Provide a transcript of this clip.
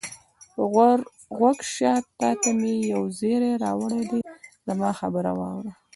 غوږ شه، تا ته مې یو زېری راوړی دی، زما خبره واورئ.